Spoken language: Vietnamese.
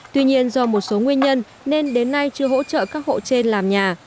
tuy nhiên do một số nguyên nhân nên đến nay chưa hỗ trợ các hộ trên làm nhà